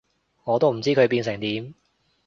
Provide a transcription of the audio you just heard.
我都唔知佢變成點